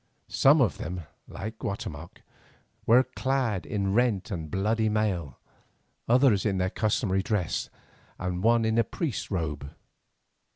Some of them, like Guatemoc, were clad in rent and bloody mail, others in their customary dress, and one in a priest's robe.